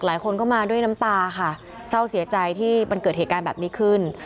หลายคนก็มาด้วยน้ำตาค่ะเศร้าเสียใจที่มันเกิดเหตุการณ์แบบนี้ขึ้น